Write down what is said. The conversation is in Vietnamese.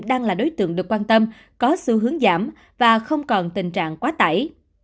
đang là đối tượng được quan tâm có xu hướng giảm và không còn tình trạng quá tải